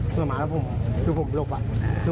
พวกมันต้องกินกันพี่